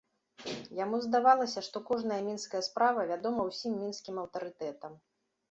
Яму здавалася, што кожная мінская справа вядома ўсім мінскім аўтарытэтам.